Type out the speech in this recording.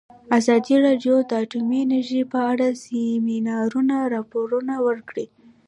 ازادي راډیو د اټومي انرژي په اړه د سیمینارونو راپورونه ورکړي.